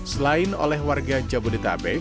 selain oleh warga jabodetabek